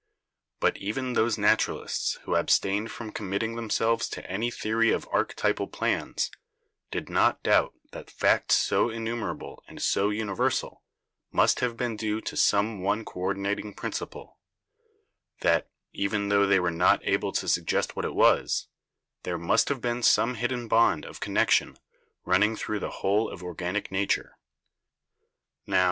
But even those naturalists who abstained from committing themselves to any theory of archetypal plans did not doubt that facts so innumerable and so universal must have been due to some one coordinating principle — that, even tho they were not able to suggest what it was, there must have been some hidden bond of connection running through the whole of organic nature.